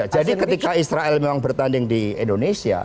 jadi ketika israel memang bertanding di indonesia